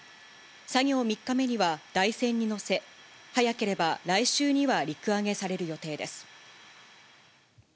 作業３日目には台船に載せ、早ければ来週には陸揚げされる予定です。